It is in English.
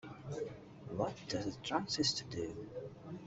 What does a transistor do?